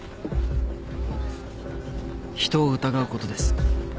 人を疑うことです。